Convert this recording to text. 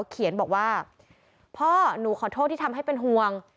เขียนบอกว่าพ่อหนูขอโทษที่ทำให้เป็นห่วง